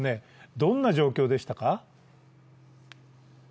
どんな状況でしたか？